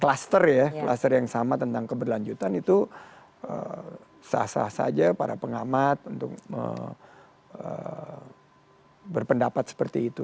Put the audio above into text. kelas tersebut ya kelas tersebut yang sama tentang keberlanjutan itu sah sah saja para pengamat untuk berpendapat seperti itu